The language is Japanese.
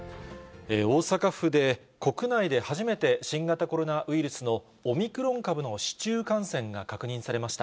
大阪府で、国内で初めて、新型コロナウイルスのオミクロン株の市中感染が確認されました。